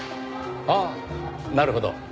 ああなるほど。